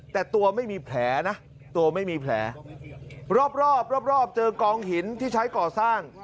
แต่ตัวไม่มีแผลนะรอบเจอกองหินที่ใช้ก่อสร้าง